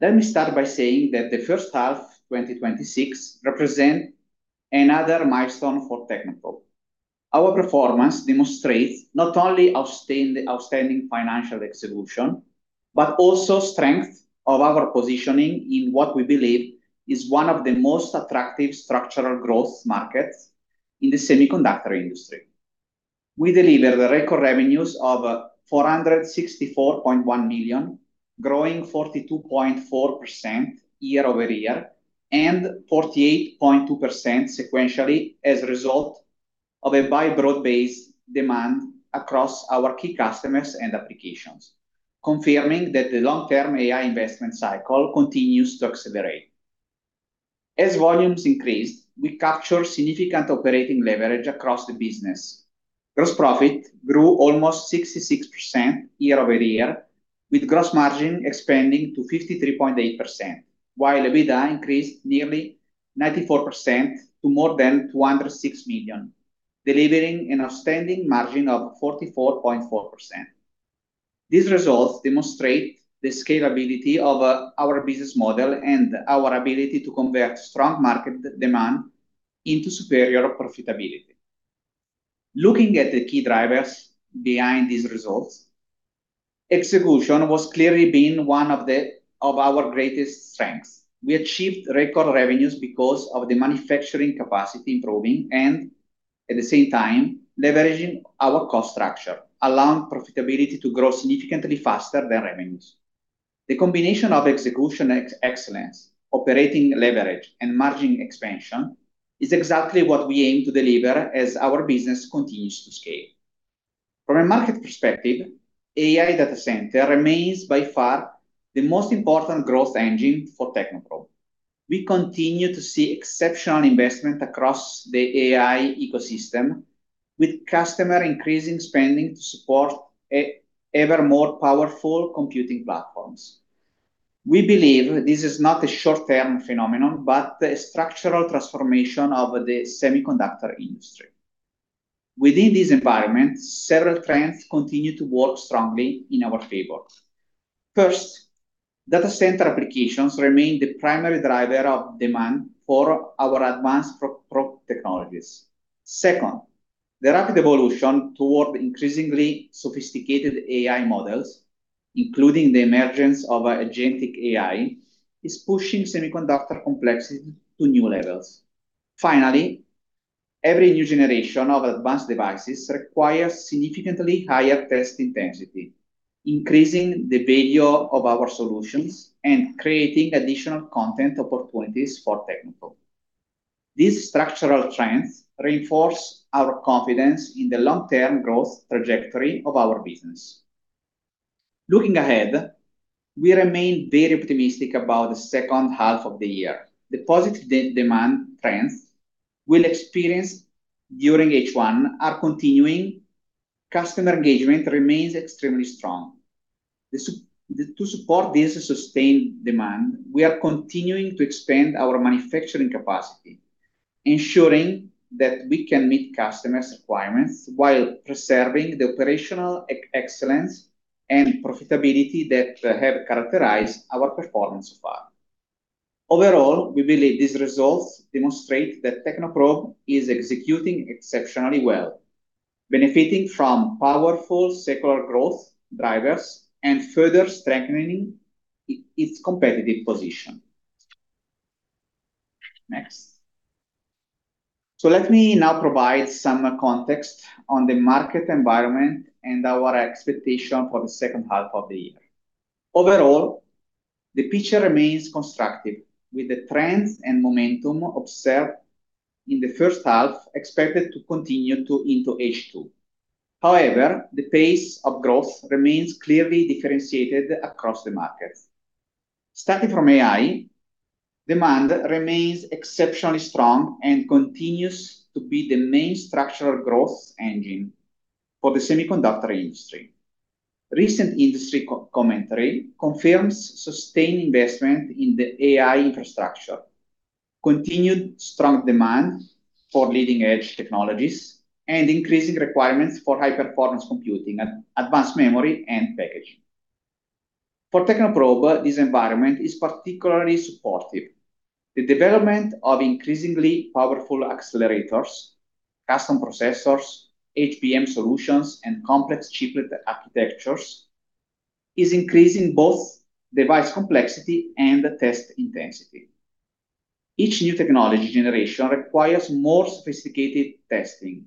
Let me start by saying that the first half 2026 represent another milestone for Technoprobe. Our performance demonstrates not only outstanding financial execution, but also strength of our positioning in what we believe is one of the most attractive structural growth markets in the semiconductor industry. We delivered record revenues of 464.1 million, growing 42.4% year-over-year and 48.2% sequentially as a result of a broad-based demand across our key customers and applications, confirming that the long-term AI investment cycle continues to accelerate. As volumes increased, we captured significant operating leverage across the business. Gross profit grew almost 66% year-over-year, with gross margin expanding to 53.8%, while EBITDA increased nearly 94% to more than 206 million, delivering an outstanding margin of 44.4%. These results demonstrate the scalability of our business model and our ability to convert strong market demand into superior profitability. Looking at the key drivers behind these results, execution has clearly been one of our greatest strengths. We achieved record revenues because of the manufacturing capacity improving and, at the same time, leveraging our cost structure, allowing profitability to grow significantly faster than revenues. The combination of execution excellence, operating leverage, and margin expansion is exactly what we aim to deliver as our business continues to scale. From a market perspective, AI data center remains by far the most important growth engine for Technoprobe. We continue to see exceptional investment across the AI ecosystem, with customer increasing spending to support ever more powerful computing platforms. We believe this is not a short-term phenomenon, but a structural transformation of the semiconductor industry. Within this environment, several trends continue to work strongly in our favor. First, data center applications remain the primary driver of demand for our advanced probe technologies. Second, the rapid evolution toward increasingly sophisticated AI models, including the emergence of agentic AI, is pushing semiconductor complexity to new levels. Finally, every new generation of advanced devices requires significantly higher test intensity, increasing the value of our solutions and creating additional content opportunities for Technoprobe. These structural trends reinforce our confidence in the long-term growth trajectory of our business. Looking ahead, we remain very optimistic about the second half of the year. The positive demand trends we experienced during H1 are continuing. Customer engagement remains extremely strong. To support this sustained demand, we are continuing to expand our manufacturing capacity, ensuring that we can meet customers' requirements while preserving the operational excellence and profitability that have characterized our performance so far. Overall, we believe these results demonstrate that Technoprobe is executing exceptionally well, benefiting from powerful secular growth drivers and further strengthening its competitive position. Next. Let me now provide some context on the market environment and our expectation for the second half of the year. Overall, the picture remains constructive, with the trends and momentum observed in the first half expected to continue into H2. However, the pace of growth remains clearly differentiated across the markets. Starting from AI, demand remains exceptionally strong and continues to be the main structural growth engine for the semiconductor industry. Recent industry commentary confirms sustained investment in the AI infrastructure, continued strong demand for leading-edge technologies, and increasing requirements for high-performance computing, advanced memory, and packaging. For Technoprobe, this environment is particularly supportive. The development of increasingly powerful accelerators, custom processors, HBM solutions, and complex chiplet architectures is increasing both device complexity and test intensity. Each new technology generation requires more sophisticated testing,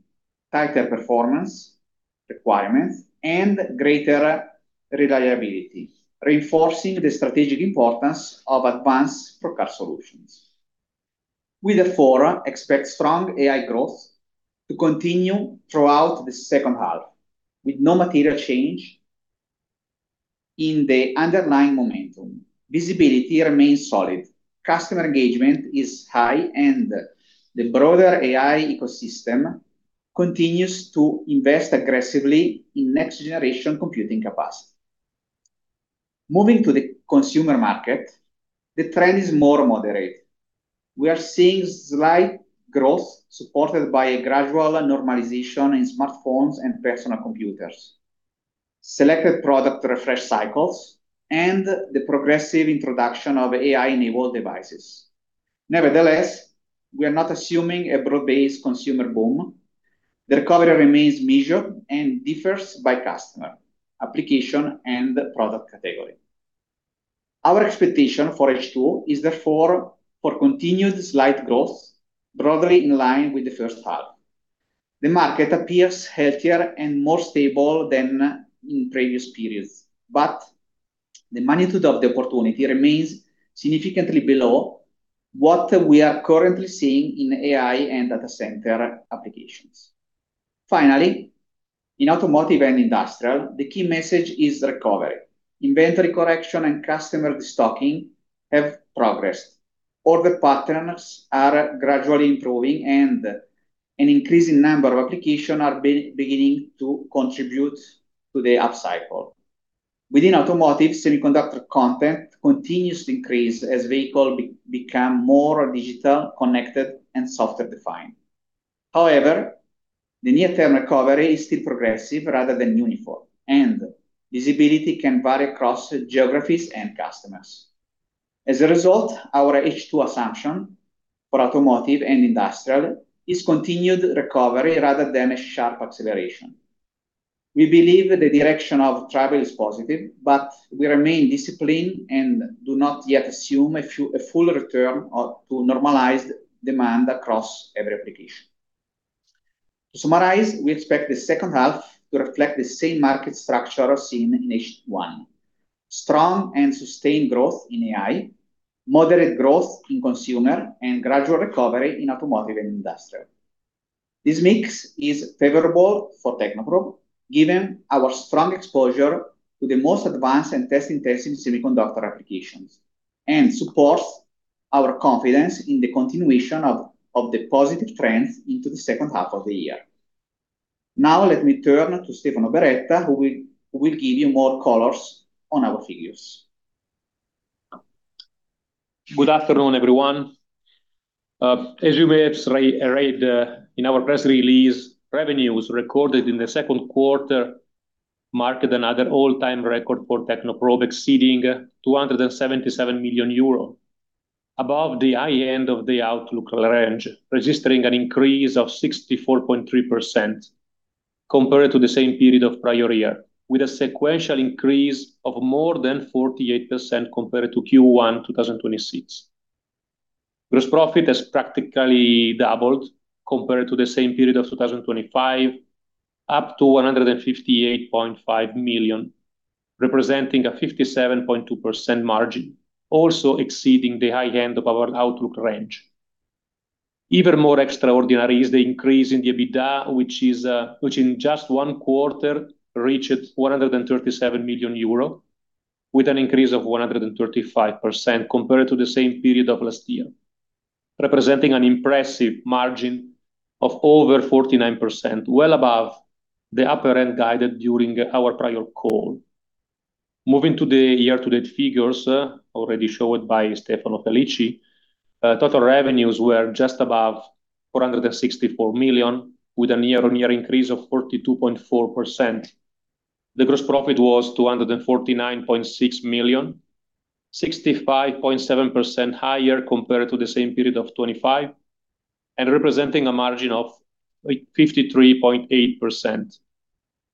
tighter performance requirements, and greater reliability, reinforcing the strategic importance of advanced probe card solutions. We therefore expect strong AI growth to continue throughout the second half, with no material change in the underlying momentum. Visibility remains solid. Customer engagement is high, and the broader AI ecosystem continues to invest aggressively in next-generation computing capacity. Moving to the consumer market, the trend is more moderate. We are seeing slight growth supported by a gradual normalization in smartphones and personal computers, selected product refresh cycles, and the progressive introduction of AI-enabled devices. Nevertheless, we are not assuming a broad-based consumer boom. The recovery remains measured and differs by customer, application, and product category. Our expectation for H2 is therefore for continued slight growth, broadly in line with the first half. The market appears healthier and more stable than in previous periods, but the magnitude of the opportunity remains significantly below what we are currently seeing in AI and data center applications. Finally, in automotive and industrial, the key message is recovery. Inventory correction and customer destocking have progressed. Order patterns are gradually improving and an increasing number of applications are beginning to contribute to the upcycle. Within automotive, semiconductor content continues to increase as vehicles become more digital, connected, and software-defined. The near-term recovery is still progressive rather than uniform, and visibility can vary across geographies and customers. As a result, our H2 assumption for automotive and industrial is continued recovery rather than a sharp acceleration. We believe the direction of travel is positive, we remain disciplined and do not yet assume a full return to normalized demand across every application. To summarize, we expect the second half to reflect the same market structure seen in H1, strong and sustained growth in AI, moderate growth in consumer, and gradual recovery in automotive and industrial. This mix is favorable for Technoprobe, given our strong exposure to the most advanced and test-intensive semiconductor applications, and supports our confidence in the continuation of the positive trends into the second half of the year. Let me turn to Stefano Beretta, who will give you more colors on our figures. Good afternoon, everyone. As you may have read in our press release, revenues recorded in the second quarter marked another all-time record for Technoprobe, exceeding 277 million euro, above the high end of the outlook range, registering an increase of 64.3% compared to the same period of prior year, with a sequential increase of more than 48% compared to Q1 2026. Gross profit has practically doubled compared to the same period of 2025, up to 158.5 million, representing a 57.2% margin, also exceeding the high end of our outlook range. Even more extraordinary is the increase in the EBITDA, which in just one quarter reached 137 million euro with an increase of 135% compared to the same period of last year, representing an impressive margin of over 49%, well above the upper end guided during our prior call. Moving to the year-to-date figures already showed by Stefano Felici, total revenues were just above 464 million, with a year-on-year increase of 42.4%. The gross profit was 249.6 million, 65.7% higher compared to the same period of 2025 and representing a margin of 53.8%.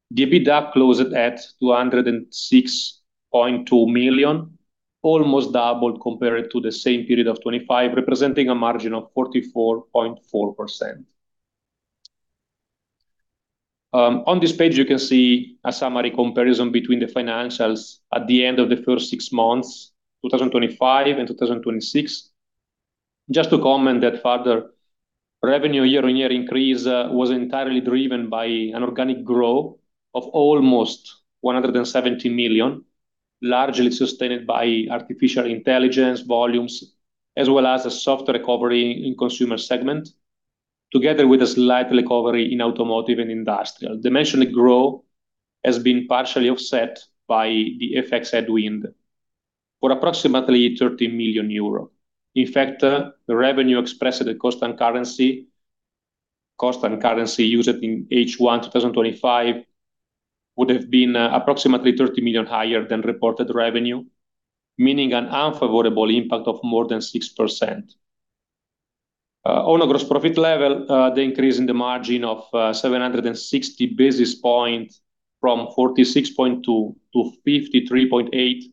The EBITDA closed at 206.2 million, almost doubled compared to the same period of 2025, representing a margin of 44.4%. On this page, you can see a summary comparison between the financials at the end of the first six months, 2025 and 2026. To comment that further, revenue year-on-year increase was entirely driven by an organic growth of almost 170 million, largely sustained by artificial intelligence volumes, as well as a soft recovery in consumer segment, together with a slight recovery in automotive and industrial. Dimension growth has been partially offset by the FX headwind for approximately 30 million euro. The revenue expressed at constant currency used in H1 2025 would have been approximately 30 million higher than reported revenue, meaning an unfavorable impact of more than 6%. On a gross profit level, the increase in the margin of 760 basis points from 46.2%-53.8%,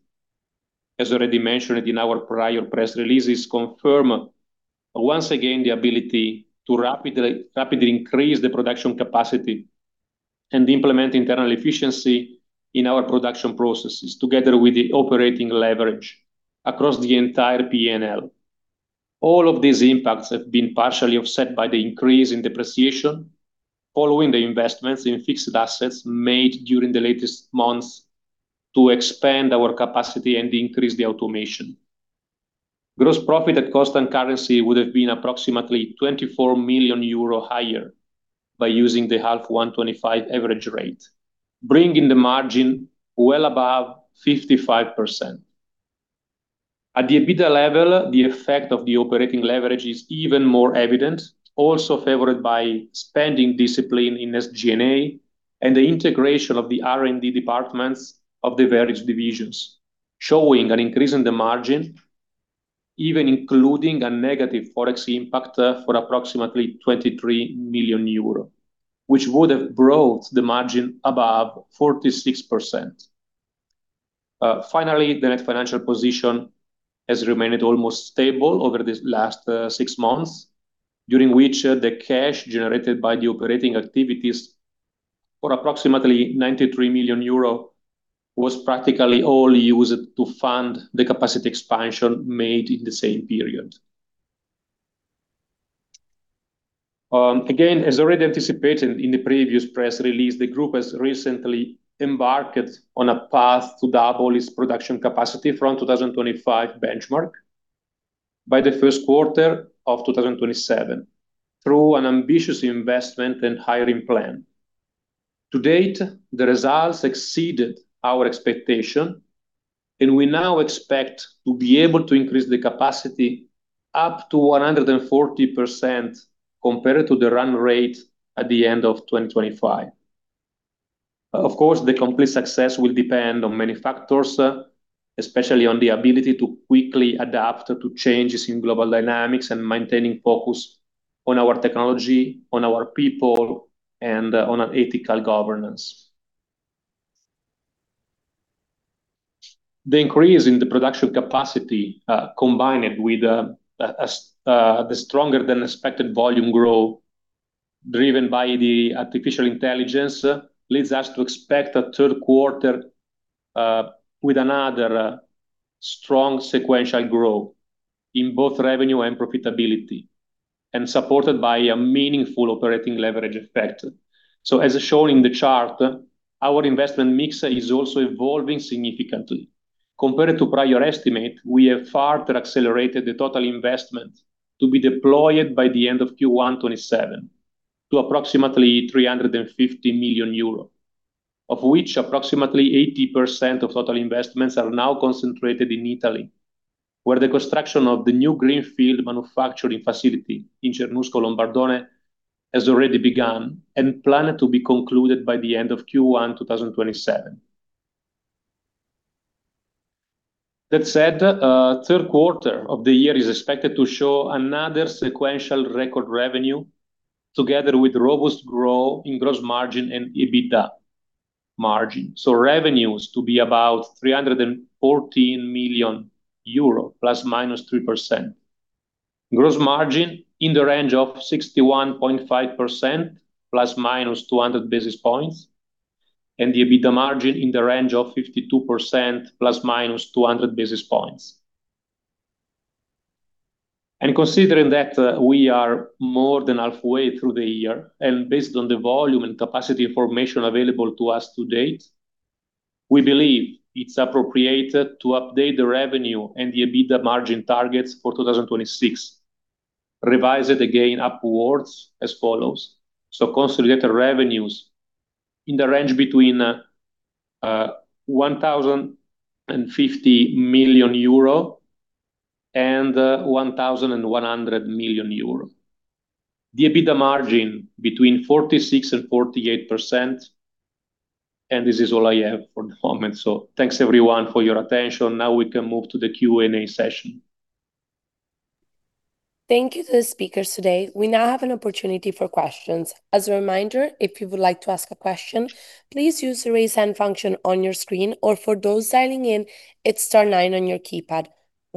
as already mentioned in our prior press releases, confirm once again the ability to rapidly increase the production capacity and implement internal efficiency in our production processes together with the operating leverage across the entire P&L. All of these impacts have been partially offset by the increase in depreciation following the investments in fixed assets made during the latest months to expand our capacity and increase the automation. Gross profit at constant currency would have been approximately 24 million euro higher by using the H1 2025 average rate, bringing the margin well above 55%. At the EBITDA level, the effect of the operating leverage is even more evident, also favored by spending discipline in SG&A, and the integration of the R&D departments of the various divisions, showing an increase in the margin, even including a negative Forex impact for approximately 23 million euro, which would have brought the margin above 46%. The net financial position has remained almost stable over this last six months, during which the cash generated by the operating activities for approximately 93 million euro was practically all used to fund the capacity expansion made in the same period. As already anticipated in the previous press release, the group has recently embarked on a path to double its production capacity from 2025 benchmark by the first quarter of 2027 through an ambitious investment and hiring plan. The results exceeded our expectation, and we now expect to be able to increase the capacity up to 140% compared to the run rate at the end of 2025. The complete success will depend on many factors, especially on the ability to quickly adapt to changes in global dynamics and maintaining focus on our technology, on our people, and on an ethical governance. The increase in the production capacity, combined with the stronger than expected volume growth driven by the artificial intelligence, leads us to expect a third quarter with another strong sequential growth in both revenue and profitability, and supported by a meaningful operating leverage effect. As shown in the chart, our investment mix is also evolving significantly. Compared to prior estimate, we have farther accelerated the total investment to be deployed by the end of Q1 2027 to approximately 350 million euros, of which approximately 80% of total investments are now concentrated in Italy, where the construction of the new greenfield manufacturing facility in Cernusco Lombardone has already begun, and planned to be concluded by the end of Q1 2027. That said, third quarter of the year is expected to show another sequential record revenue, together with robust growth in gross margin and EBITDA margin. Revenues to be about EUR 314 million, ±3%. Gross margin in the range of 61.5%, ±200 basis points, and the EBITDA margin in the range of 52%, ±200 basis points. Considering that we are more than halfway through the year, and based on the volume and capacity information available to us to date, we believe it's appropriate to update the revenue and the EBITDA margin targets for 2026, revise it again upwards as follows. Consolidated revenues in the range between 1,050 million-1,100 million euro. The EBITDA margin between 46%-48%, this is all I have for the moment. Thanks everyone for your attention. Now we can move to the question-and-answer session. Thank you to the speakers today. We now have an opportunity for questions. As a reminder, if you would like to ask a question, please use the raise hand function on your screen, or for those dialing in, it's star nine on your keypad.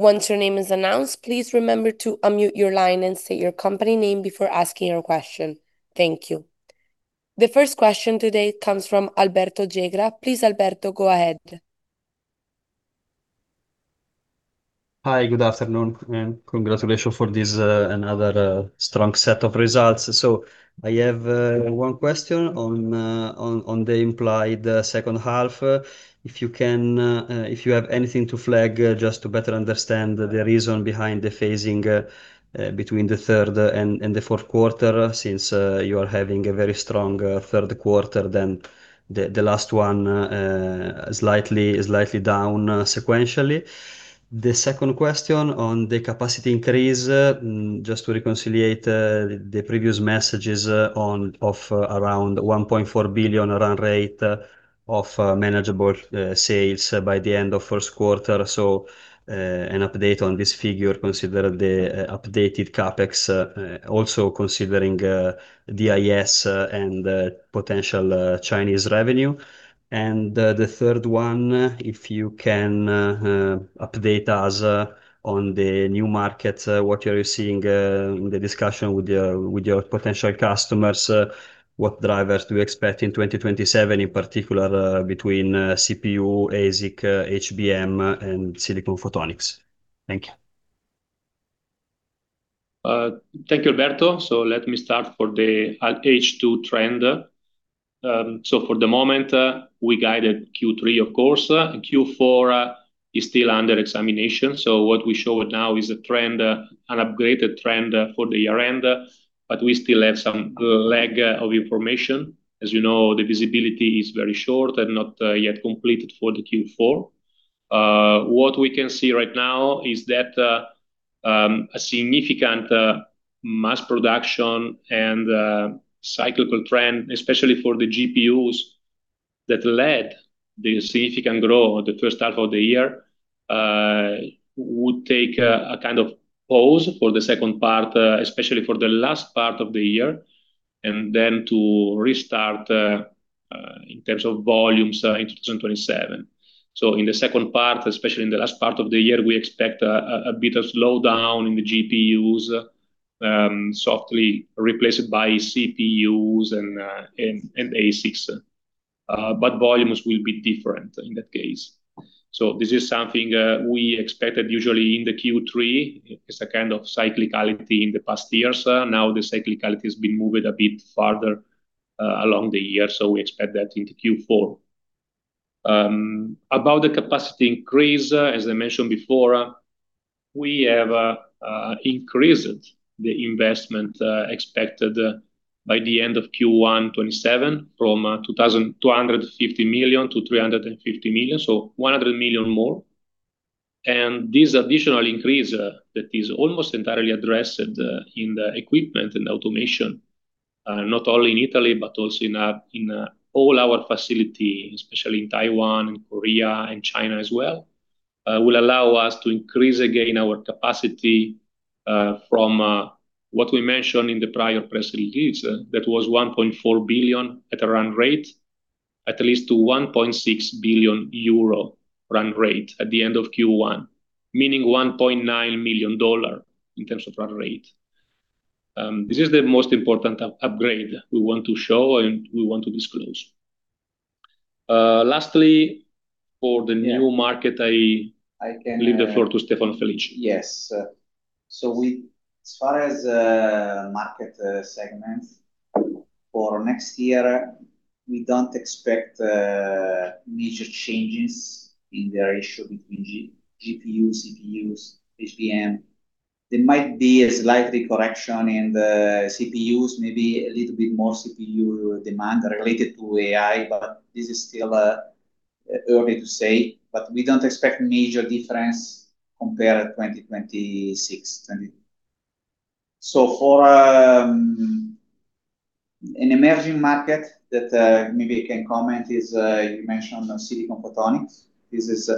Once your name is announced, please remember to unmute your line and state your company name before asking your question. Thank you. The first question today comes from Alberto Gegra. Please, Alberto, go ahead. Hi, good afternoon, congratulations for this another strong set of results. I have one question on the implied second half. If you have anything to flag, just to better understand the reason behind the phasing between the third and the fourth quarter since you are having a very strong third quarter than the last one, slightly down sequentially. The second question on the capacity increase, just to reconciliate the previous messages of around 1.4 billion run rate of manageable sales by the end of first quarter. An update on this figure, consider the updated CapEx, also considering DIS and potential Chinese revenue. The third one, if you can update us on the new market, what are you seeing in the discussion with your potential customers? What drivers do you expect in 2027, in particular between CPU, ASIC, HBM, and silicon photonics? Thank you. Thank you, Alberto. Let me start for the H2 trend. For the moment, we guided Q3, of course, and Q4 is still under examination. What we show now is an upgraded trend for the year end, but we still have some lag of information. As you know, the visibility is very short and not yet completed for the Q4. What we can see right now is that a significant mass production and cyclical trend, especially for the GPUs, that led the significant growth the first half of the year would take a kind of pause for the second part, especially for the last part of the year, and then to restart in terms of volumes in 2027. In the second part, especially in the last part of the year, we expect a bit of slowdown in the GPUs, softly replaced by CPUs and ASICs. Volumes will be different in that case. This is something we expected usually in the Q3. It's a kind of cyclicality in the past years. The cyclicality has been moved a bit farther along the year, so we expect that in the Q4. About the capacity increase, as I mentioned before, we have increased the investment expected by the end of Q1 2027 from 250 million-350 million, 100 million more. This additional increase that is almost entirely addressed in the equipment and automation, not only in Italy but also in all our facility, especially in Taiwan and Korea and China as well, will allow us to increase again our capacity from what we mentioned in the prior press release. That was 1.4 billion at a run rate, at least to 1.6 billion euro run rate at the end of Q1, meaning $1.9 billion in terms of run rate. This is the most important upgrade we want to show and we want to disclose. Lastly, for the new market. Leave the floor to Stefano Felici. Yes. As far as market segments for next year, we don't expect major changes in the ratio between GPU, CPUs, HBM. There might be a slight correction in the CPUs, maybe a little bit more CPU demand related to AI, but this is still early to say. We don't expect major difference compared 2026. For an emerging market that maybe I can comment is, you mentioned silicon photonics. This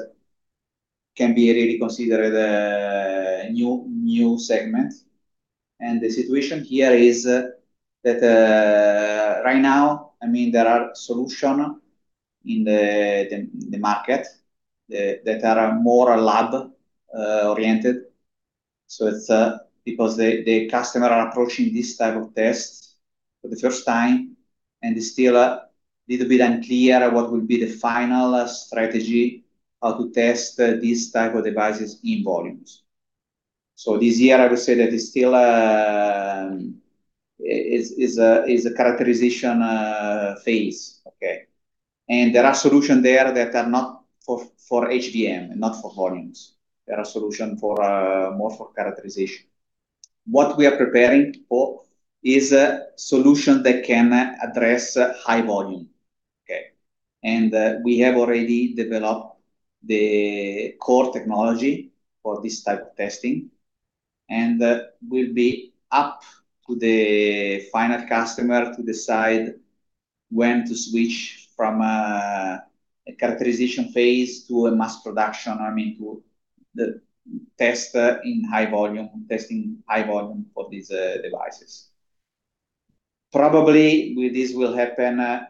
can be really considered a new segment. The situation here is that right now, there are solutions in the market that are more lab oriented. It's because the customers are approaching this type of test for the first time, and it's still a little bit unclear what will be the final strategy, how to test these type of devices in volumes. This year, I would say that it's still a characterization phase. Okay. There are solutions there that are not for HBM and not for volumes. There are solutions more for characterization. What we are preparing for is a solution that can address high volume. Okay. We have already developed the core technology for this type of testing, and will be up to the final customer to decide when to switch from a characterization phase to a mass production, to test in high volume for these devices. Probably this will happen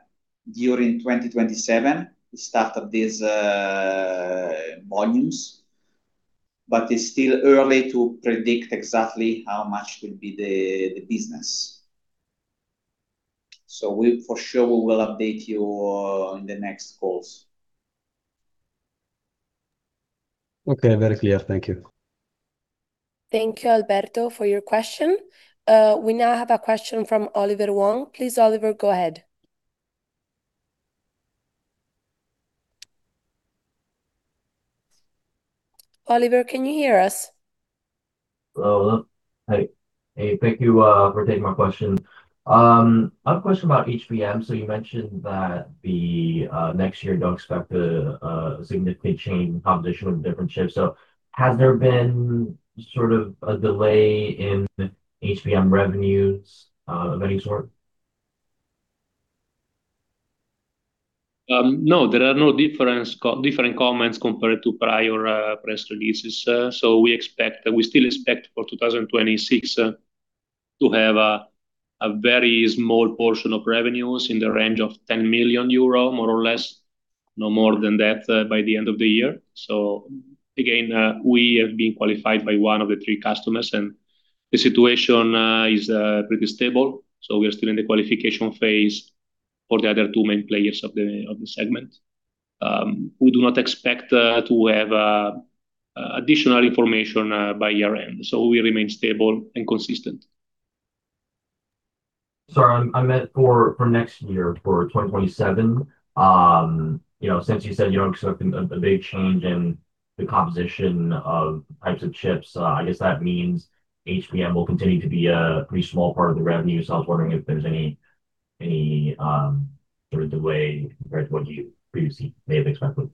during 2027, the start of these volumes, but it's still early to predict exactly how much will be the business. For sure, we will update you in the next calls. Okay. Very clear. Thank you. Thank you, Alberto, for your question. We now have a question from Oliver Wong. Please, Oliver, go ahead. Oliver, can you hear us? Hello. Hey. Thank you for taking my question. I have a question about HBM. You mentioned that the next year you don't expect a significant change in composition of different chips. Has there been a delay in HBM revenues of any sort? No, there are no different comments compared to prior press releases. We still expect for 2026 to have a very small portion of revenues in the range of 10 million euro, more or less, no more than that by the end of the year. Again, we have been qualified by one of the three customers, and the situation is pretty stable. We are still in the qualification phase for the other two main players of the segment. We do not expect to have additional information by year-end. We remain stable and consistent. Sorry, I meant for next year, for 2027. Since you said you're expecting a big change in the composition of types of chips, I guess that means HBM will continue to be a pretty small part of the revenue. I was wondering if there's any sort of delay compared to what you previously may have expected.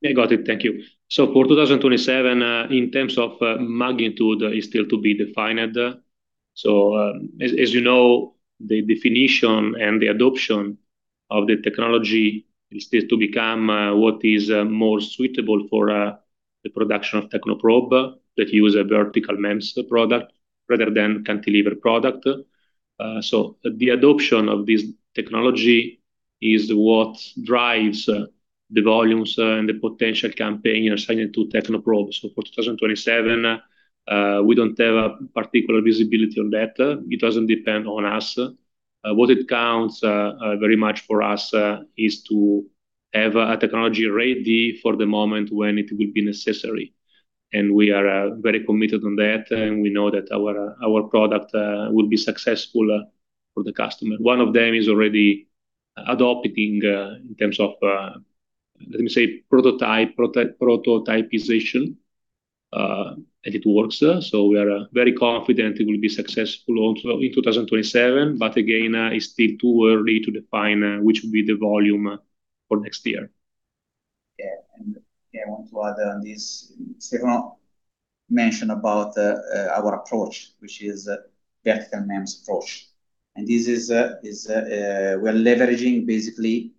Yeah, got it. Thank you. For 2027, in terms of magnitude, is still to be defined. As you know, the definition and the adoption of the technology is yet to become what is more suitable for the production of Technoprobe that use a vertical MEMS product rather than cantilever product. The adoption of this technology is what drives the volumes and the potential campaign assigned to Technoprobe. For 2027, we don't have a particular visibility on that. It doesn't depend on us. What it counts very much for us is to have a technology ready for the moment when it will be necessary. We are very committed on that, and we know that our product will be successful for the customer. One of them is already adopting in terms of, let me say, prototypization, and it works. We are very confident it will be successful also in 2027. Again, it's still too early to define which will be the volume for next year. Yeah. I want to add on this. Stefano mentioned about our approach, which is vertical MEMS approach. We're leveraging basically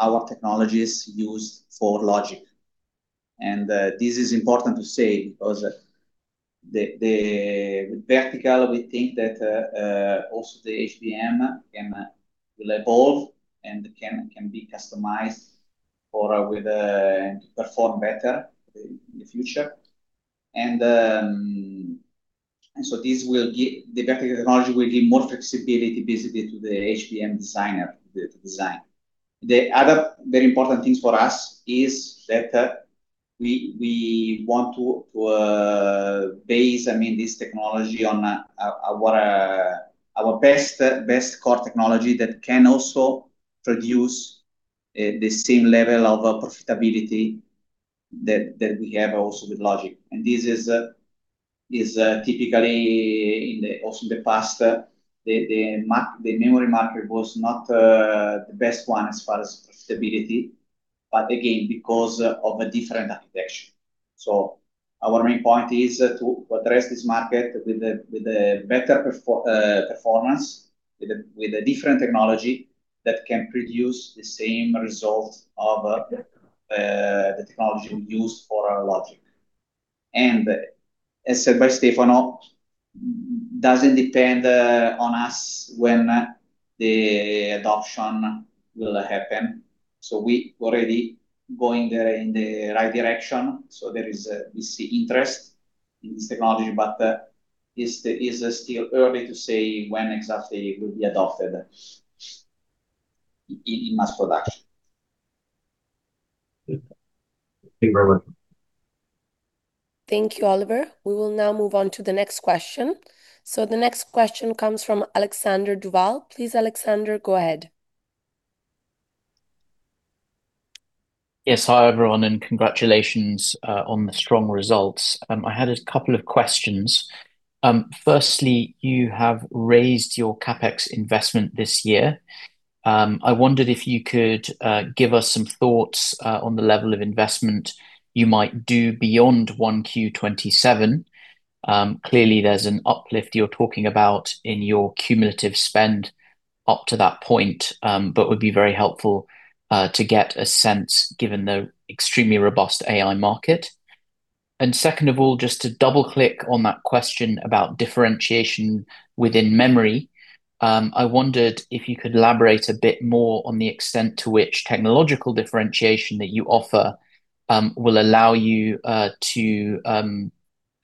our technologies used for logic. This is important to say because the vertical, we think that, also the HBM will evolve and can be customized to perform better in the future. The better technology will give more flexibility basically to the HBM design. The other very important things for us is that we want to base this technology on our best core technology that can also produce the same level of profitability that we have also with logic. This is typically in also the past, the memory market was not the best one as far as profitability, but again, because of a different application. Our main point is to address this market with a better performance, with a different technology that can produce the same result of the technology we use for our logic. As said by Stefano, doesn't depend on us when the adoption will happen. We already going in the right direction. There is this interest in this technology, but it's still early to say when exactly it will be adopted in mass production. Thank you, Stefano. Thank you, Oliver. We will now move on to the next question. The next question comes from Alexander Duval. Please, Alexander, go ahead. Yes. Hi, everyone, and congratulations on the strong results. I had a couple of questions. Firstly, you have raised your CapEx investment this year. I wondered if you could give us some thoughts on the level of investment you might do beyond 1Q 2027. Clearly, there's an uplift you're talking about in your cumulative spend up to that point, would be very helpful to get a sense given the extremely robust AI market. Second of all, just to double-click on that question about differentiation within memory, I wondered if you could elaborate a bit more on the extent to which technological differentiation that you offer will allow you to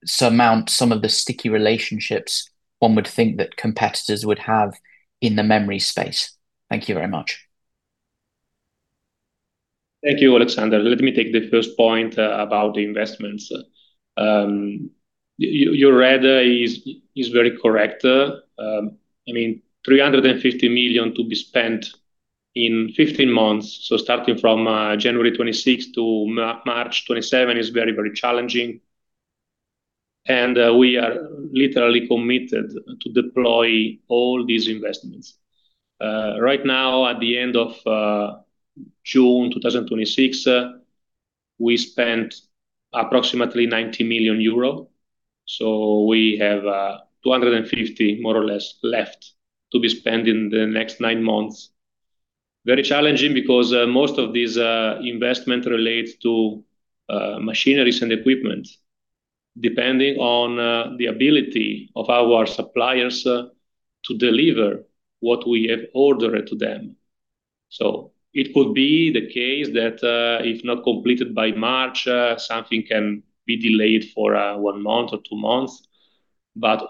surmount some of the sticky relationships one would think that competitors would have in the memory space. Thank you very much. Thank you, Alexander. Let me take the first point about the investments. Your read is very correct. 350 million to be spent in 15 months, starting from January 2026-March 2027 is very challenging. We are literally committed to deploy all these investments. Right now, at the end of June 2026, we spent approximately 90 million euro. We have 250 million, more or less, left to be spent in the next nine months. Very challenging because most of this investment relates to machineries and equipment, depending on the ability of our suppliers to deliver what we have ordered to them. It could be the case that, if not completed by March, something can be delayed for one month or two months.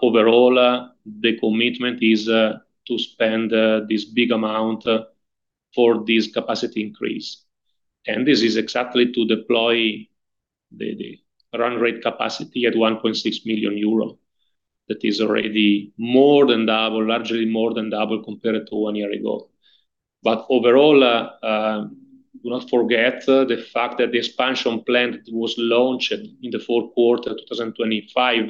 Overall, the commitment is to spend this big amount for this capacity increase. This is exactly to deploy the run rate capacity at 1.6 billion euro. That is already more than double, largely more than double compared to one year ago. Overall, do not forget the fact that the expansion plan that was launched in the fourth quarter 2025,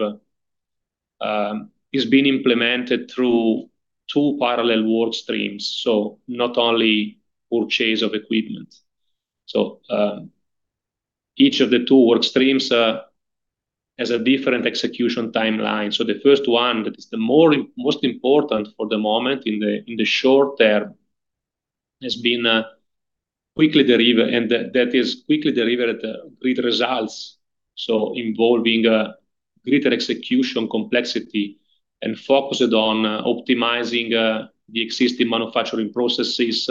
is being implemented through two parallel work streams. Not only purchase of equipment. Each of the two work streams has a different execution timeline. The first one that is the most important for the moment in the short term has been quickly delivered, and that is quickly delivered great results. Involving greater execution complexity and focused on optimizing the existing manufacturing processes,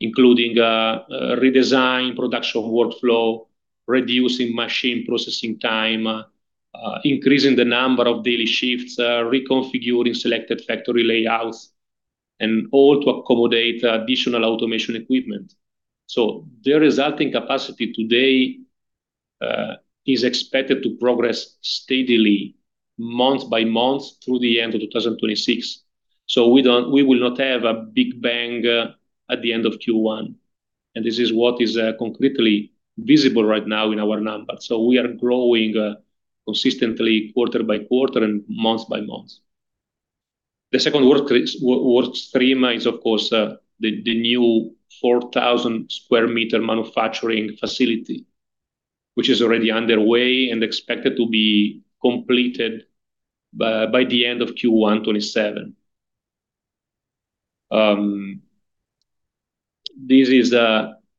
including redesign, production workflow, reducing machine processing time, increasing the number of daily shifts, reconfiguring selected factory layouts, and all to accommodate additional automation equipment. The resulting capacity today is expected to progress steadily month by month through the end of 2026. We will not have a big bang at the end of Q1. This is what is concretely visible right now in our numbers. We are growing consistently quarter by quarter and month by month. The second work stream is, of course, the new 4,000 sq m manufacturing facility, which is already underway and expected to be completed by the end of Q1 2027.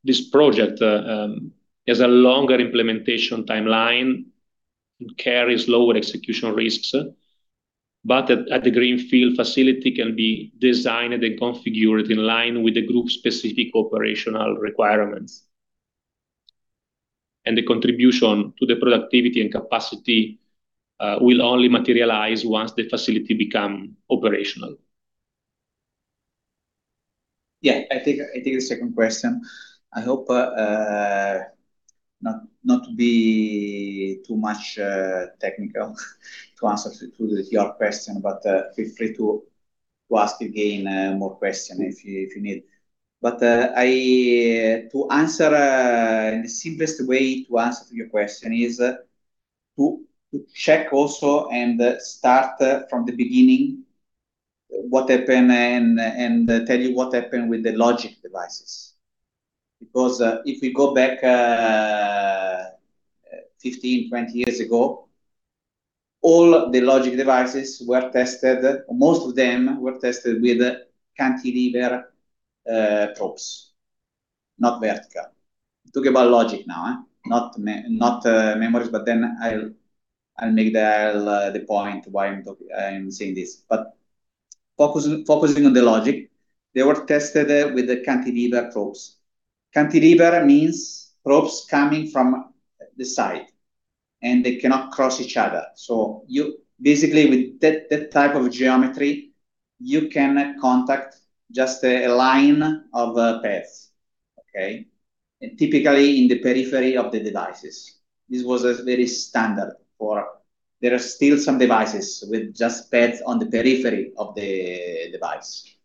This project has a longer implementation timeline. It carries lower execution risks. At the greenfield facility can be designed and configured in line with the group's specific operational requirements. The contribution to the productivity and capacity will only materialize once the facility become operational. I take the second question. I hope not to be too much technical to answer to your question, but feel free to ask again more question if you need. The simplest way to answer your question is to check also and start from the beginning what happened and tell you what happened with the logic devices. If we go back, 15 years, 20 years ago, all the logic devices were tested, most of them were tested with cantilever probes, not vertical. I'm talking about logic now, not memories, but then I'll make the point why I'm saying this. Focusing on the logic, they were tested with the cantilever probes. Cantilever means probes coming from the side, and they cannot cross each other. You basically with that type of geometry, you can contact just a line of paths. Okay. Typically in the periphery of the devices. There are still some devices with just pads on the periphery of the device.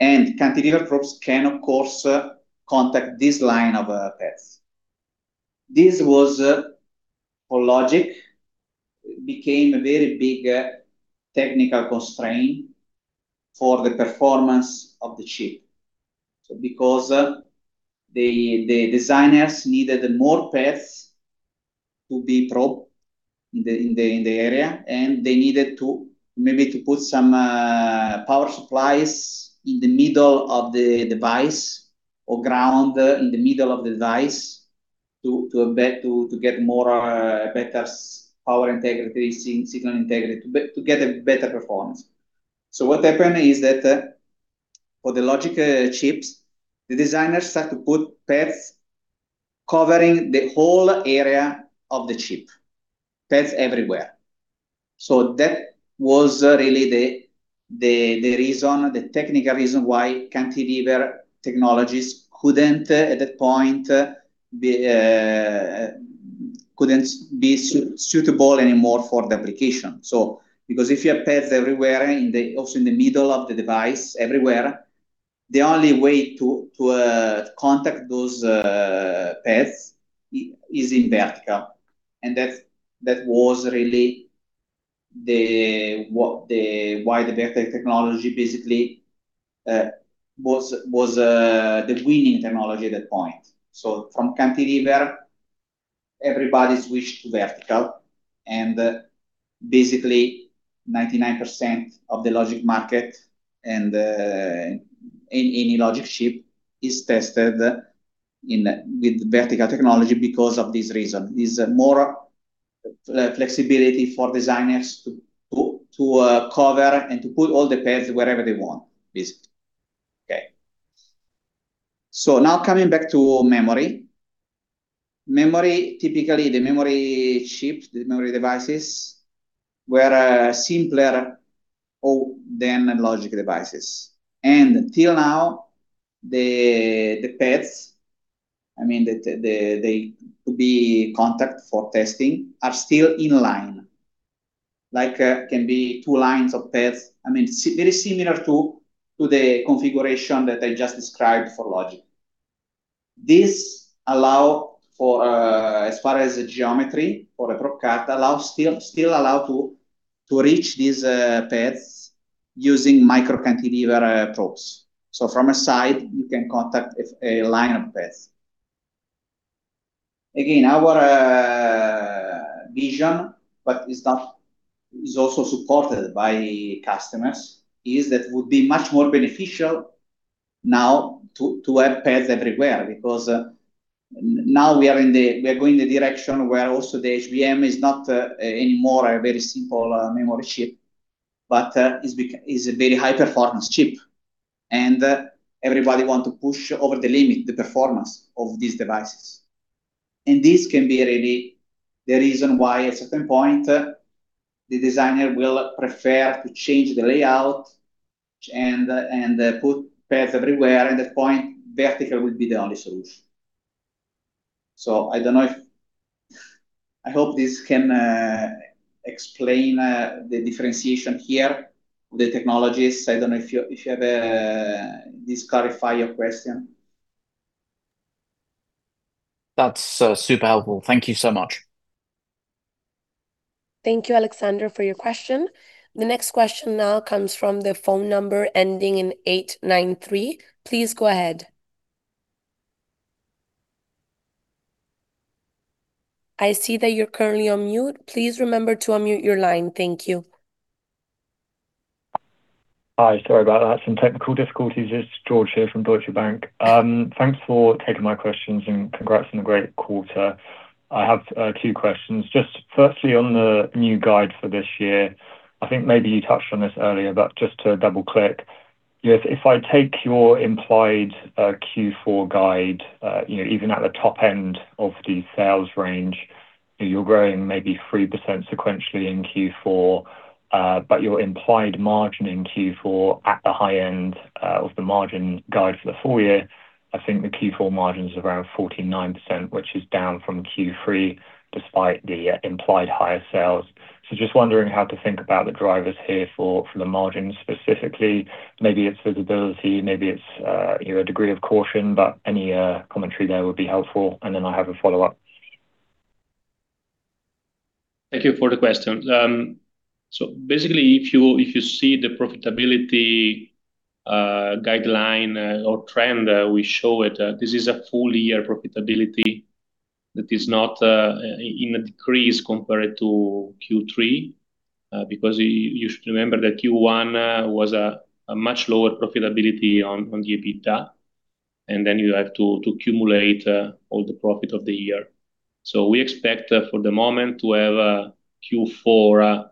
Cantilever probes can, of course, contact this line of paths. This was for logic, became a very big technical constraint for the performance of the chip. Because the designers needed more paths to be probed in the area, and they needed to maybe to put some power supplies in the middle of the device or ground in the middle of the device to get more better power integrity, signal integrity, to get a better performance. What happened is that for the logic chips, the designers had to put paths covering the whole area of the chip, paths everywhere. That was really the reason, the technical reason why cantilever technologies couldn't at that point be suitable anymore for the application. Because if you have paths everywhere also in the middle of the device, everywhere, the only way to contact those paths is in vertical. That was really why the vertical technology basically was the winning technology at that point. From cantilever, everybody switched to vertical, and basically 99% of the logic market and any logic chip is tested with vertical technology because of this reason. It is more flexibility for designers to cover and to put all the paths wherever they want, basically. Okay. Now coming back to memory Typically, the memory chips, the memory devices, were simpler than logic devices. Till now, the pads, to be contact for testing, are still in line. Can be two lines of pads, very similar to the configuration that I just described for logic. This allow for, as far as the geometry for a probe card, still allow to reach these pads using micro cantilever probes. From a side, you can contact a line of pads. Again, our vision, but is also supported by customers, is that would be much more beneficial now to have pads everywhere, because now we are going the direction where also the HBM is not anymore a very simple memory chip, but is a very high performance chip. Everybody want to push over the limit the performance of these devices. This can be really the reason why at certain point, the designer will prefer to change the layout and put pads everywhere, and at that point, vertical will be the only solution. I don't know if I hope this can explain the differentiation here of the technologies. This clarify your question? That's super helpful. Thank you so much. Thank you, Alexander, for your question. The next question now comes from the phone number ending in 893. Please go ahead. I see that you're currently on mute. Please remember to unmute your line. Thank you. Hi, sorry about that. Some technical difficulties. It's George here from Deutsche Bank. Thanks for taking my questions, congrats on a great quarter. I have two questions. Just firstly, on the new guide for this year, I think maybe you touched on this earlier, just to double-click. If I take your implied Q4 guide, even at the top end of the sales range, you're growing maybe 3% sequentially in Q4, your implied margin in Q4 at the high end of the margin guide for the full year, I think the Q4 margin's around 49%, which is down from Q3 despite the implied higher sales. Just wondering how to think about the drivers here for the margin specifically. Maybe it's visibility, maybe it's a degree of caution, but any commentary there would be helpful. I have a follow-up. Thank you for the question. Basically, if you see the profitability guideline or trend we show it, this is a full year profitability that is not in a decrease compared to Q3. Because you should remember that Q1 was a much lower profitability on the EBITDA, you have to accumulate all the profit of the year. We expect for the moment to have Q4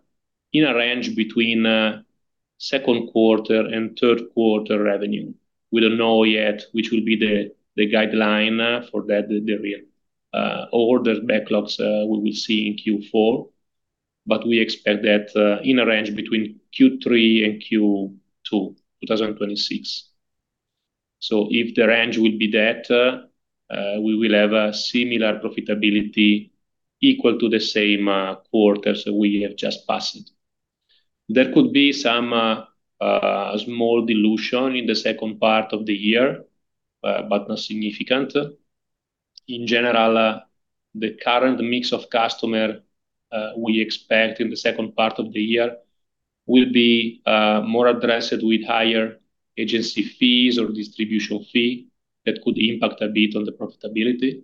in a range between second quarter and third quarter revenue. We don't know yet which will be the guideline for that, the real orders backlogs we will see in Q4, we expect that in a range between Q3 and Q2 2026. If the range will be that, we will have a similar profitability equal to the same quarters we have just passed. There could be some small dilution in the second part of the year, not significant. In general, the current mix of customer we expect in the second part of the year will be more addressed with higher agency fees or distribution fee that could impact a bit on the profitability.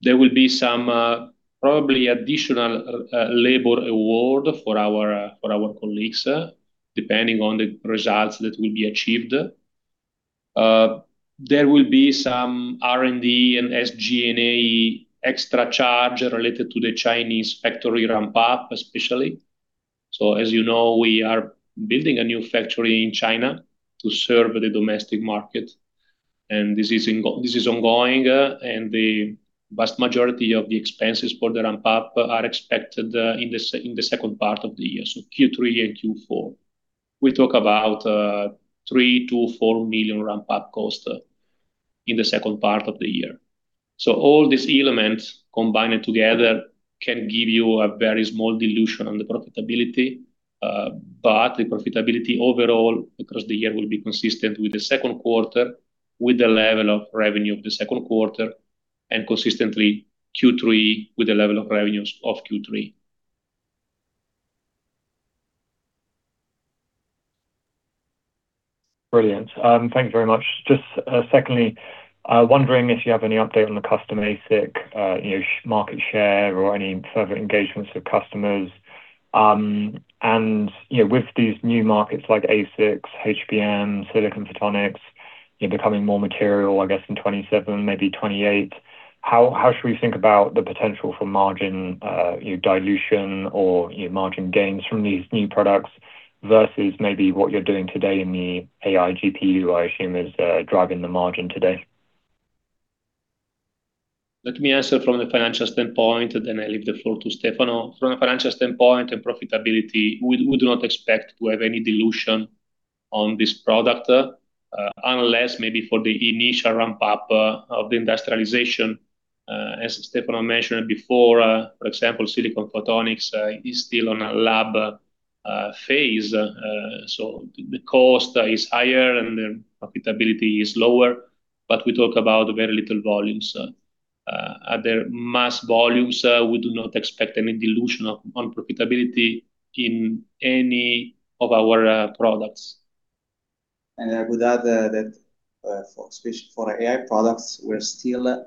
There will be some probably additional labor award for our colleagues, depending on the results that will be achieved. There will be some R&D and SG&A extra charge related to the Chinese factory ramp-up, especially. As you know, we are building a new factory in China to serve the domestic market, and this is ongoing, and the vast majority of the expenses for the ramp-up are expected in the second part of the year, Q3 and Q4. We talk about 3 million-4 million ramp-up cost in the second part of the year. All these elements combined together can give you a very small dilution on the profitability, but the profitability overall across the year will be consistent with the second quarter, with the level of revenue of the second quarter, and consistently Q3 with the level of revenues of Q3. Brilliant. Thank you very much. Just secondly, wondering if you have any update on the custom ASIC market share or any further engagements with customers. With these new markets like ASICs, HBM, silicon photonics becoming more material, I guess in 2027, maybe 2028, how should we think about the potential for margin dilution or margin gains from these new products? versus maybe what you're doing today in the AI GPU, I assume is driving the margin today. Let me answer from the financial standpoint, then I leave the floor to Stefano. From a financial standpoint and profitability, we do not expect to have any dilution on this product, unless maybe for the initial ramp-up of the industrialization. As Stefano mentioned before, for example, silicon photonics is still on a lab phase, so the cost is higher and the profitability is lower, but we talk about very little volumes. At their mass volumes, we do not expect any dilution on profitability in any of our products. I would add that for especially for AI products, we're still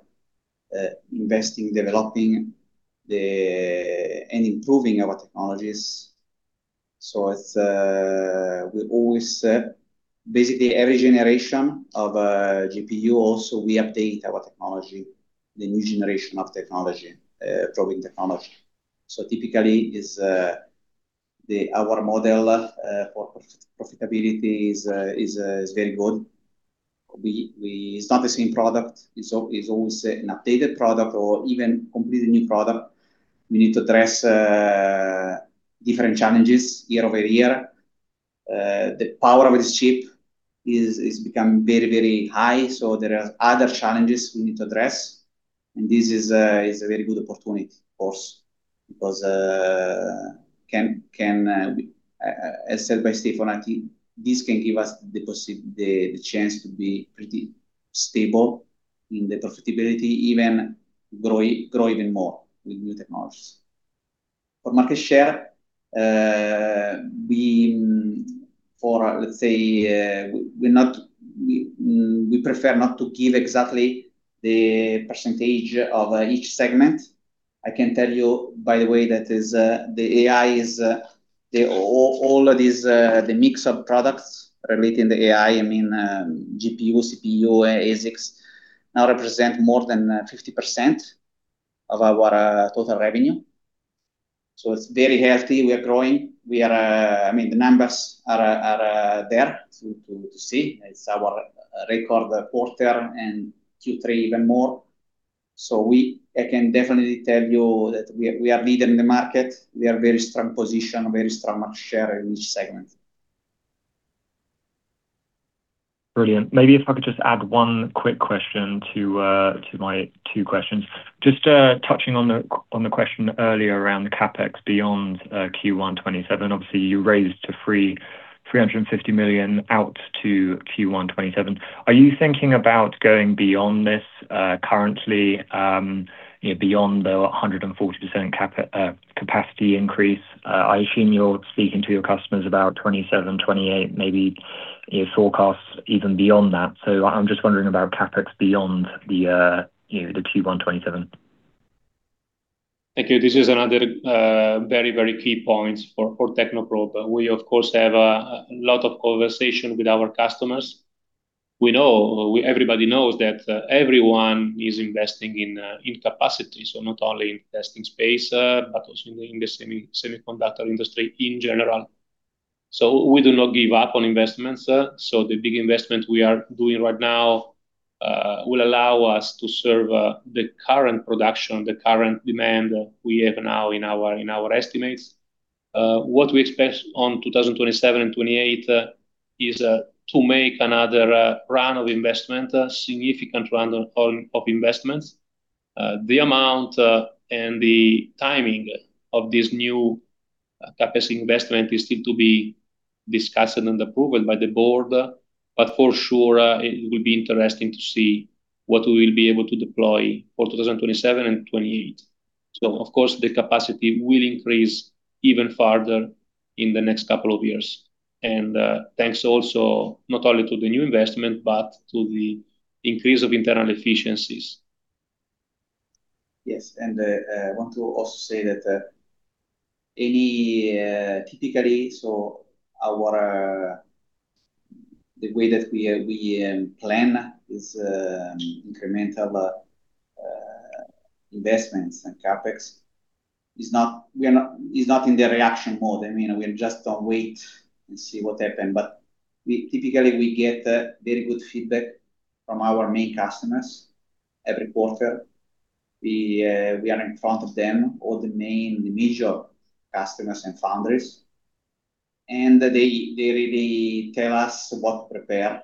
investing, developing, and improving our technologies. As we always said, basically every generation of GPU also we update our technology, the new generation of technology, probing technology. Typically, our model for profitability is very good. It's not the same product. It's always an updated product or even completely new product. We need to address different challenges year-over-year. The power of this chip is become very high, so there are other challenges we need to address, and this is a very good opportunity, of course. As said by Stefano, this can give us the chance to be pretty stable in the profitability, even grow even more with new technologies. For market share, let's say we prefer not to give exactly the percentage of each segment. I can tell you, by the way, that the AI, all of these, the mix of products relating to AI, I mean, GPU, CPU, ASICs, now represent more than 50% of our total revenue. It's very healthy. We are growing. The numbers are there to see. It's our record quarter and Q3 even more. I can definitely tell you that we are leading the market. We are very strong position, very strong market share in each segment. Brilliant. Maybe if I could just add one quick question to my two questions. Just touching on the question earlier around the CapEx beyond Q1 2027, obviously, you raised to 350 million out to Q1 2027. Are you thinking about going beyond this currently, beyond the 140% capacity increase? I assume you're speaking to your customers about 2027, 2028, maybe forecasts even beyond that. I'm just wondering about CapEx beyond the Q1 2027. Thank you. This is another very key point for Technoprobe. We, of course, have a lot of conversation with our customers. Everybody knows that everyone is investing in capacity, not only in testing space, but also in the semiconductor industry in general. We do not give up on investments. The big investment we are doing right now will allow us to serve the current production, the current demand we have now in our estimates. What we expect on 2027 and 2028 is to make another round of investment, a significant round of investments. The amount and the timing of this new capacity investment is still to be discussed and approved by the board. For sure, it will be interesting to see what we will be able to deploy for 2027 and 2028. Of course, the capacity will increase even further in the next couple of years. Thanks also not only to the new investment, but to the increase of internal efficiencies. Yes. I want to also say that typically, the way that we plan is incremental investments and CapEx is not in the reaction mode. We just don't wait and see what happen. Typically, we get very good feedback from our main customers every quarter. We are in front of them, all the main, the major customers and founders, and they really tell us what to prepare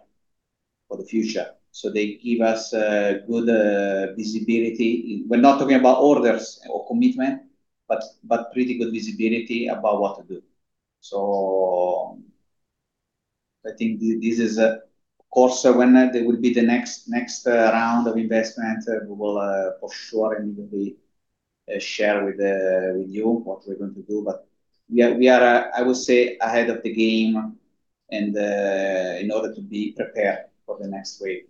for the future. They give us good visibility. We're not talking about orders or commitment, but pretty good visibility about what to do. I think this is a course when there will be the next round of investment, we will for sure immediately share with you what we're going to do. We are, I would say, ahead of the game in order to be prepared for the next wave.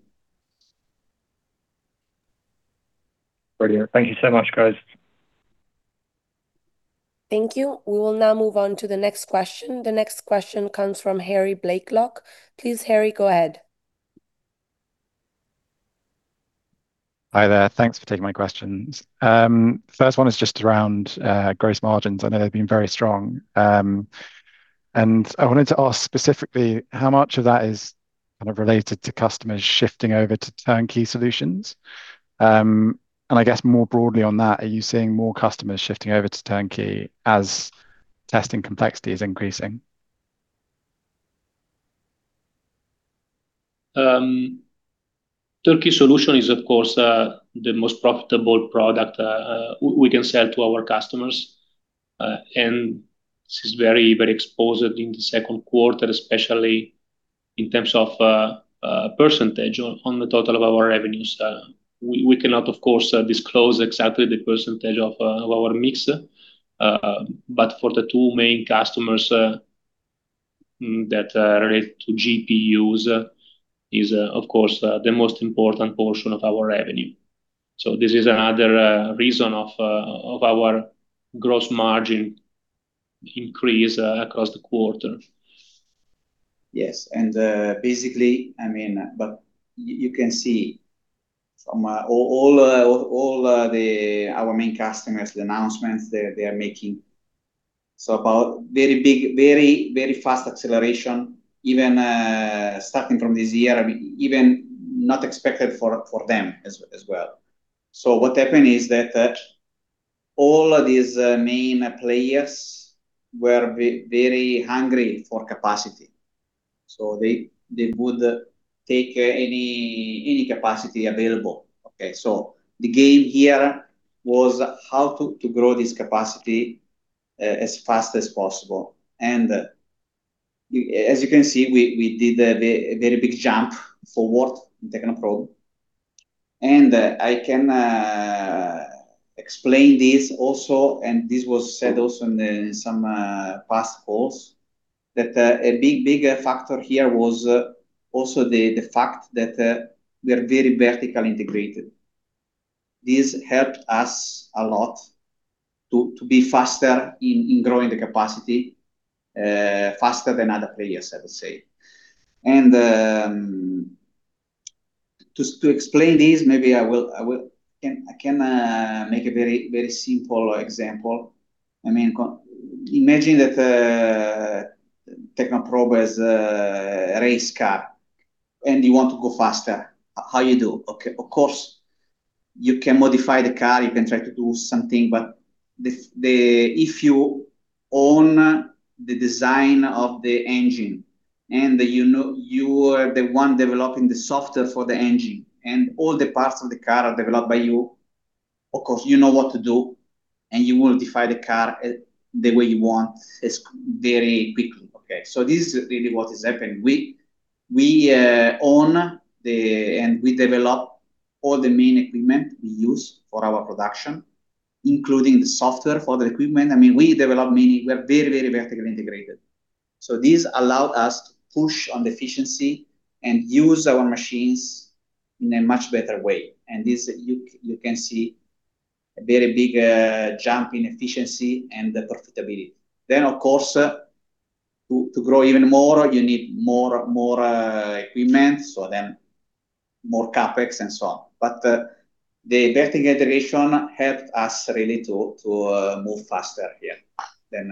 Brilliant. Thank you so much, guys. Thank you. We will now move on to the next question. The next question comes from Harry Blaiklock. Please, Harry, go ahead. Hi there. Thanks for taking my questions. First one is just around gross margins. I know they've been very strong. I wanted to ask specifically how much of that is kind of related to customers shifting over to turnkey solutions? I guess more broadly on that, are you seeing more customers shifting over to turnkey as testing complexity is increasing? Turnkey solution is, of course, the most profitable product we can sell to our customers. This is very exposed in the second quarter, especially in terms of percentage on the total of our revenues. We cannot, of course, disclose exactly the percentage of our mix. For the two main customers that relate to GPUs is, of course, the most important portion of our revenue. This is another reason of our gross margin increase across the quarter. Yes. Basically, you can see from all our main customers, the announcements they are making, about very big, very fast acceleration even starting from this year. Even not expected for them as well. What happened is that all of these main players were very hungry for capacity, they would take any capacity available. The game here was how to grow this capacity as fast as possible. As you can see, we did a very big jump forward in Technoprobe, and I can explain this also, and this was said also in some past calls, that a big, big factor here was also the fact that we are very vertically integrated. This helped us a lot to be faster in growing the capacity, faster than other players, I would say. To explain this, maybe I can make a very simple example. Imagine that Technoprobe is a race car and you want to go faster. How you do? Of course, you can modify the car, you can try to do something, but if you own the design of the engine and you are the one developing the software for the engine, and all the parts of the car are developed by you, of course you know what to do, and you will modify the car the way you want very quickly. This is really what is happening. We own and develop all the main equipment we use for our production, including the software for the equipment. We develop many. We are very vertically integrated. This allowed us to push on the efficiency and use our machines in a much better way. This you can see a very big jump in efficiency and the profitability. Of course, to grow even more, you need more equipment, more CapEx and so on. The vertical integration helped us really to move faster here than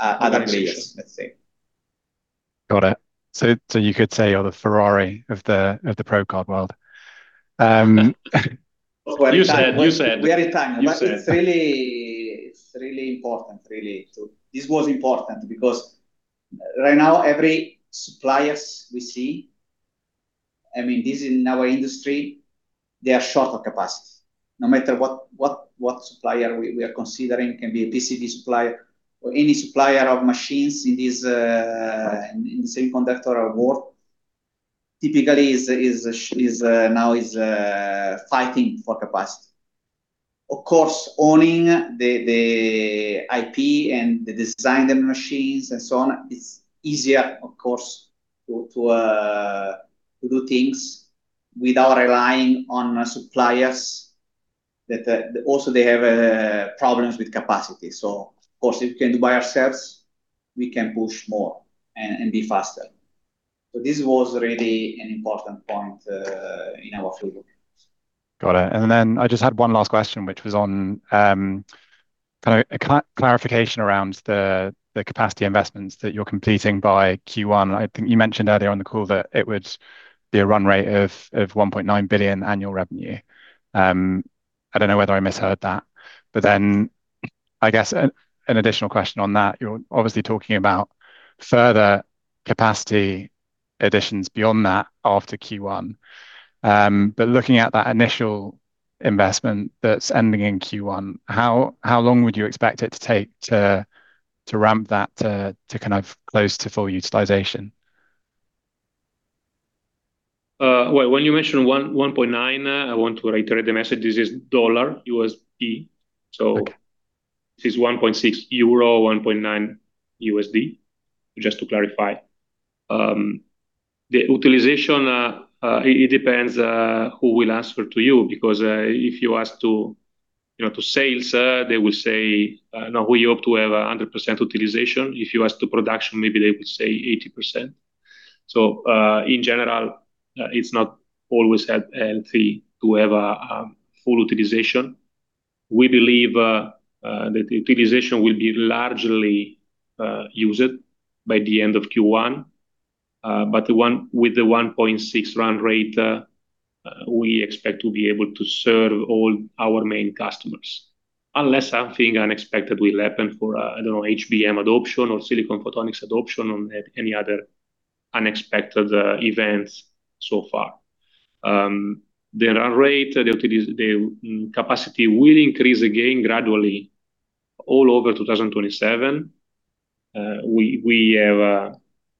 other players, let's say. Got it. You could say you're the Ferrari of the probe card world. You said. We are in time. This was important because right now every suppliers we see, this in our industry, they are short of capacity. No matter what supplier we are considering, can be a PCB supplier or any supplier of machines in the semiconductor world, typically now is fighting for capacity. Of course, owning the IP and the design of the machines and so on, it's easier, of course, to do things without relying on suppliers that also they have problems with capacity. Of course, if we can do by ourselves, we can push more and be faster. This was really an important point in our playbook. Got it. I just had one last question, which was on kind of a clarification around the capacity investments that you're completing by Q1. I think you mentioned earlier on the call that it would be a run rate of $1.9 billion annual revenue. I don't know whether I misheard that, I guess an additional question on that, you're obviously talking about further capacity additions beyond that after Q1. Looking at that initial investment that's ending in Q1, how long would you expect it to take to ramp that to kind of close to full utilization? When you mention $1.9 billion, I want to reiterate the message. This is U.S. dollar. Okay. This is 1.6 billion euro, $1.9 billion. Just to clarify. The utilization, it depends who will answer to you because if you ask to sales, they will say, "Now we hope to have 100% utilization." If you ask to production, maybe they would say 80%. In general, it's not always healthy to have a full utilization. We believe that the utilization will be largely used by the end of Q1. With the 1.6 billion run rate, we expect to be able to serve all our main customers unless something unexpected will happen for, I don't know, HBM adoption or silicon photonics adoption, or any other unexpected events so far. The run rate, the capacity will increase again gradually all over 2027. We have,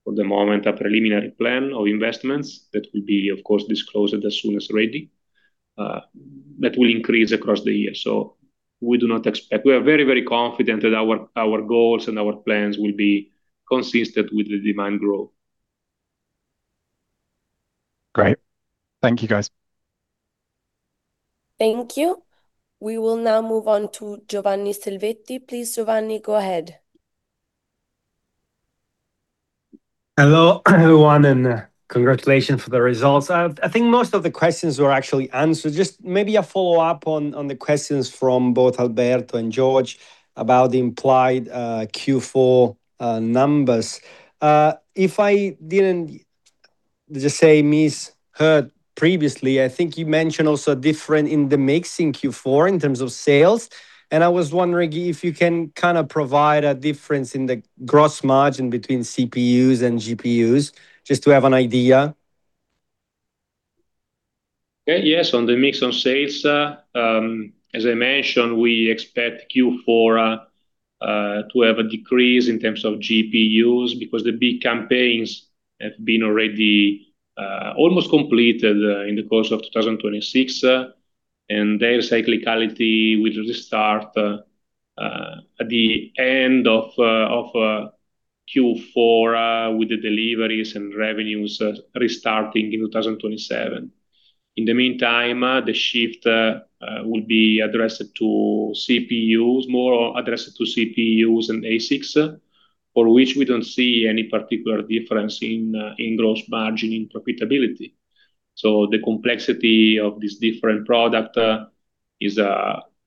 for the moment, a preliminary plan of investments that will be, of course, disclosed as soon as ready, that will increase across the year. We are very confident that our goals and our plans will be consistent with the demand growth. Great. Thank you, guys. Thank you. We will now move on to Giovanni Selvetti. Please, Giovanni, go ahead. Hello, everyone, congratulations for the results. I think most of the questions were actually answered. Just maybe a follow-up on the questions from both Alberto and George about the implied Q4 numbers. If I didn't just say misheard previously, I think you mentioned also different in the mix in Q4 in terms of sales, I was wondering if you can kind of provide a difference in the gross margin between CPUs and GPUs, just to have an idea. Yes. On the mix on sales, as I mentioned, we expect Q4 to have a decrease in terms of GPUs because the big campaigns have been already almost completed in the course of 2026, Their cyclicality will restart at the end of Q4 with the deliveries and revenues restarting in 2027. In the meantime, the shift will be more addressed to CPUs and ASICs, for which we don't see any particular difference in gross margin in profitability. The complexity of this different product is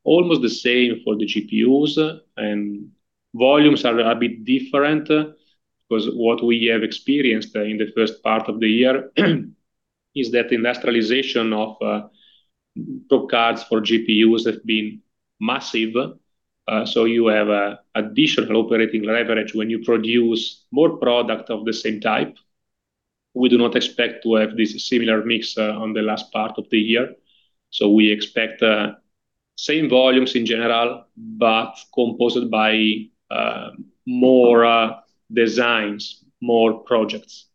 almost the same for the GPUs, volumes are a bit different because what we have experienced in the first part of the year is that industrialization of probe cards for GPUs have been massive, you have additional operating leverage when you produce more product of the same type. We do not expect to have this similar mix on the last part of the year. We expect same volumes in general, composed by more designs, more projects.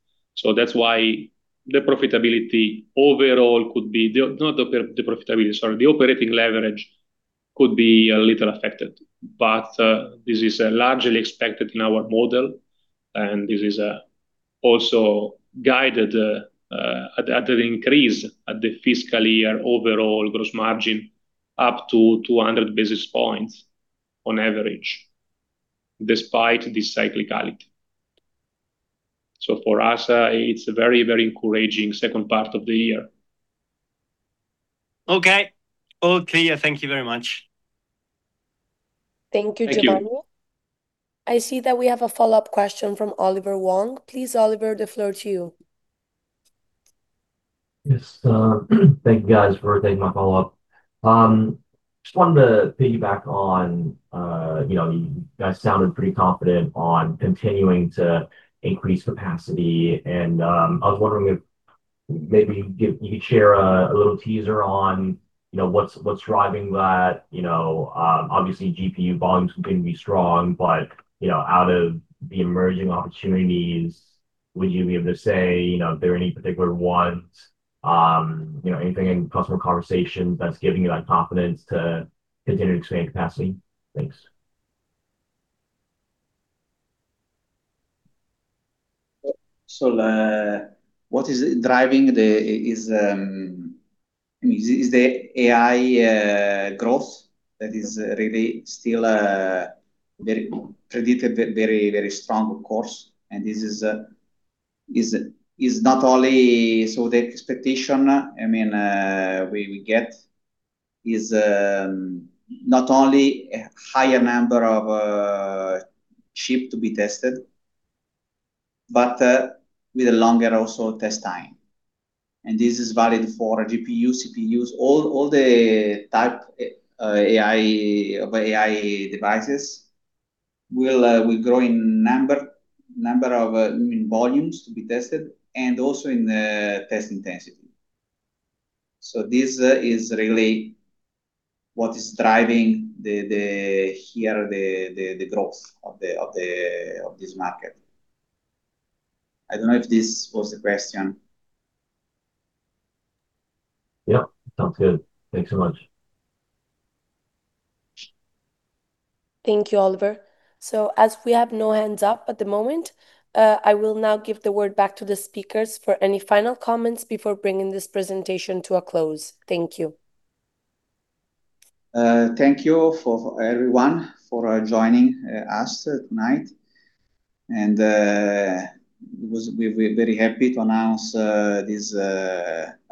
That's why the profitability overall could be Not the profitability, sorry. The operating leverage could be a little affected, but this is largely expected in our model, this is also guided at an increase at the fiscal year overall gross margin up to 200 basis points on average, despite this cyclicality. For us, it's a very encouraging second part of the year. Okay. All clear. Thank you very much. Thank you, Giovanni. Thank you. I see that we have a follow-up question from Oliver Wong. Please, Oliver, the floor to you. Yes. Thank you, guys, for taking my follow-up. Just wanted to piggyback on, you guys sounded pretty confident on continuing to increase capacity. I was wondering if maybe you could share a little teaser on what's driving that. Obviously, GPU volumes are going to be strong, out of the emerging opportunities, would you be able to say if there are any particular ones, anything in customer conversation that's giving you that confidence to continue to expand capacity? Thanks. What is driving is the AI growth that is really still predicted very strong course. This is not only so the expectation we get is not only a higher number of chip to be tested, but with a longer also test time. This is valid for GPU, CPUs, all the type of AI devices will grow in number of volumes to be tested and also in test intensity. This is really what is driving here the growth of this market. I don't know if this was the question. Yep. Sounds good. Thanks so much. Thank you, Oliver. As we have no hands up at the moment, I will now give the word back to the speakers for any final comments before bringing this presentation to a close. Thank you. Thank you for everyone for joining us tonight. We're very happy to announce this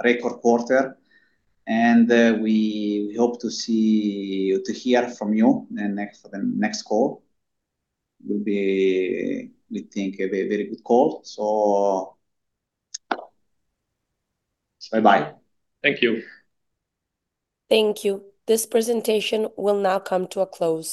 record quarter. We hope to hear from you. The next call will be, we think, a very good call. Bye-bye. Thank you. Thank you. This presentation will now come to a close.